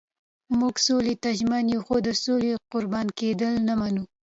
موږ سولې ته ژمن یو خو د سولې قربان کېدل نه منو.